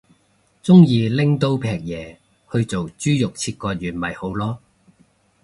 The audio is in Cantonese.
鍾意拎刀劈嘢去做豬肉切割員咪好囉